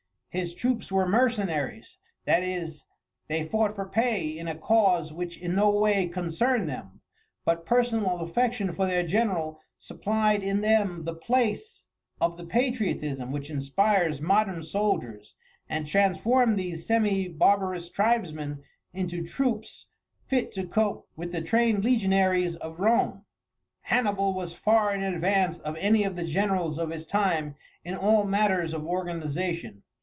His troops were mercenaries that is, they fought for pay in a cause which in no way concerned them but personal affection for their general supplied in them the place of the patriotism which inspires modern soldiers, and transformed these semi barbarous tribesmen into troops fit to cope with the trained legionaries of Rome. Hannibal was far in advance of any of the generals of his time in all matters of organization.